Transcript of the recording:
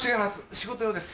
仕事用です。